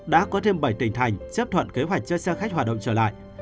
đã có thêm bảy tỉnh thành chấp thuận kế hoạch cho xe khách hoạt động trở lại